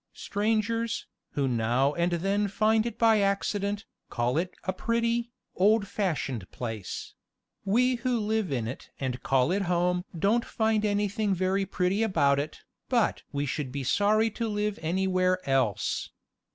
Strangers, who now and then find it by accident, call it a pretty, old fashioned place; we who live in it and call it home don't find anything very pretty about it, but we should be sorry to live anywhere else.